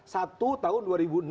satu tahun dua ribu enam belas